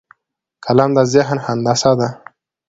قلم د ذهن هندسه ده